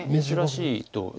珍しいと。